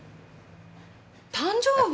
誕生日？